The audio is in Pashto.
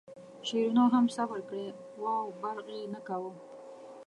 شیرینو هم صبر کړی و او برغ یې نه کاوه.